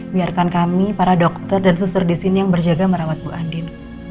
biarkan kami para dokter dan suster di sini yang berjaga merawat bu andin